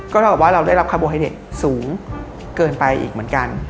เท่ากับว่าเราได้รับคาร์โบไฮเนตสูงเกินไปอีกเหมือนกัน